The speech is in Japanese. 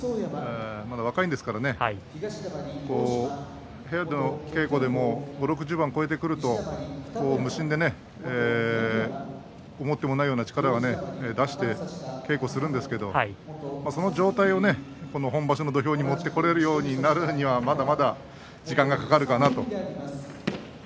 まだ若いんですから部屋での稽古でも５０、６０番、超えてくると無心で思ってもいないような力を出して稽古するんですがその状態を本場所の土俵に持ってこられるようになるにはまだまだ時間がかかるかなと。